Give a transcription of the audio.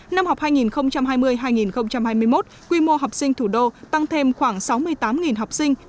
năm học hai nghìn hai mươi hai nghìn hai mươi một quy mô học sinh thủ đô tăng thêm khoảng sáu mươi tám học sinh